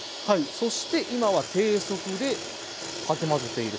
そして今は低速でかき混ぜている。